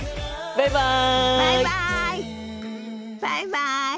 バイバイ。